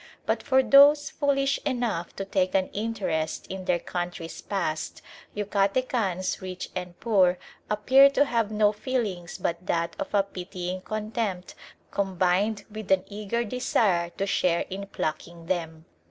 But for those foolish enough to take an interest in their country's past, Yucatecans, rich and poor, appear to have no feelings but that of a pitying contempt combined with an eager desire to share in "plucking" them.